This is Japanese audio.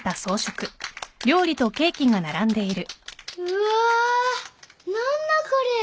うわ何だこれ！